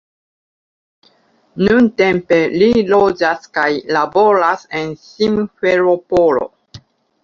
Nuntempe li loĝas kaj laboras en Simferopolo.